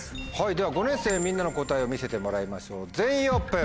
では５年生みんなの答えを見せてもらいましょう全員オープン。